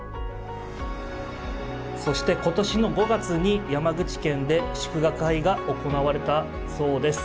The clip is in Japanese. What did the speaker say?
そして今年の５月に山口県で祝賀会が行われたそうです。